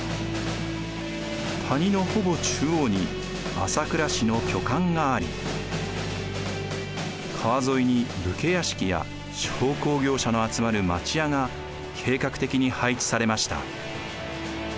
谷のほぼ中央に朝倉氏の居館があり川沿いに武家屋敷や商工業者の集まる町屋が計画的に配置されました。